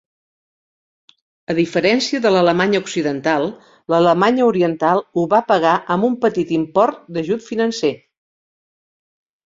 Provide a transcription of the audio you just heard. A diferència de l'Alemanya Occidental, l'Alemanya Oriental ho va pagar amb un petit import d'ajut financer.